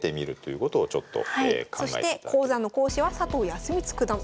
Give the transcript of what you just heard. そして講座の講師は佐藤康光九段。